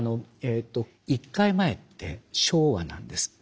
１回前って昭和なんです。